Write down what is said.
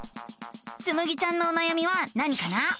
つむぎちゃんのおなやみは何かな？